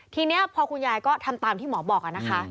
ทีนี้พอคุณยายก็ทำตามที่หมอบอกนะคะ